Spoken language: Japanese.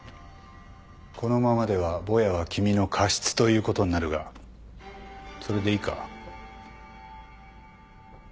このままではぼやは君の過失ということになるがそれでいいか？